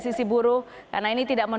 sisi buruh karena ini tidak